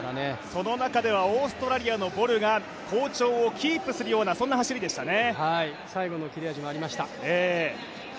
その中ではオーストラリアのボルが好調をキープするようなそんな走りでしたね。